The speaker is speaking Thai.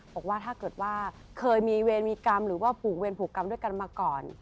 บอกว่าถ้าเกิดว่าเคยมีเวรมีกรรมหรือว่าผูกเวรผูกกรรมด้วยกันมาก่อน